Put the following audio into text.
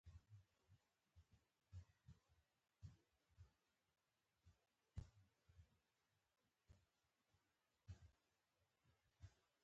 خلکو ویل چې شیخ درې سوه کاله ژوند کړی.